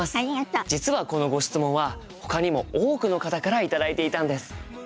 実はこのご質問はほかにも多くの方から頂いていたんです。